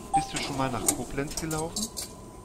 Bist du schon mal nach Koblenz gelaufen?